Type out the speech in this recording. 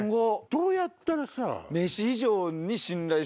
どうやったら。